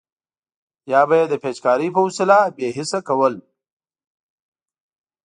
یا به یې د پیچکارۍ په وسیله بې حس کول.